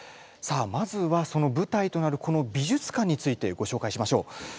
さあまずはその舞台となるこの美術館についてご紹介しましょう。